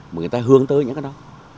mà người ta hướng tới những cái đó